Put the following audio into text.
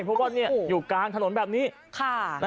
เพราะว่าอยู่กลางถนนแบบนี้ค่ะ